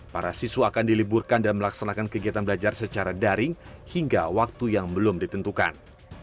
para siswa akan diliburkan dan melaksanakan kegiatan belajar secara daring hingga waktu yang belum ditentukan